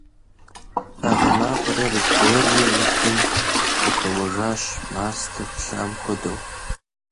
А гъы макъри аргуэру и гум къыхэуэжащ мастэ плъам хуэдэу.